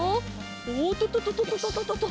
おっとととととととと。